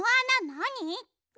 なに？